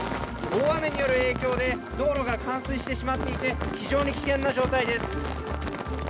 大雨による影響で道路が冠水してしまっていて非常に危険な状態です。